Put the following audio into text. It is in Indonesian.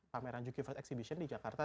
pameran juki free exhibition di jakarta